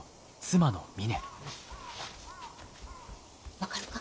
分かるか？